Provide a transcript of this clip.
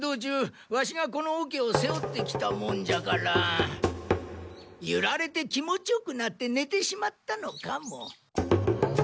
ワシがこのおけを背負ってきたもんじゃからゆられて気持ちよくなってねてしまったのかも。